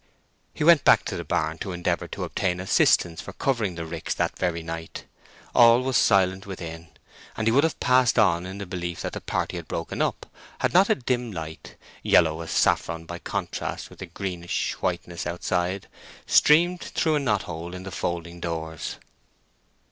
He went back to the barn to endeavour to obtain assistance for covering the ricks that very night. All was silent within, and he would have passed on in the belief that the party had broken up, had not a dim light, yellow as saffron by contrast with the greenish whiteness outside, streamed through a knot hole in the folding doors.